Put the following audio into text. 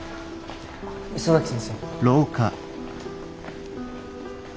磯崎先生。